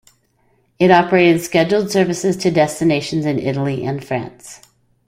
It operated scheduled services to destinations in Italy and France.